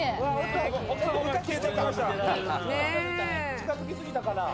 近づきすぎたかな？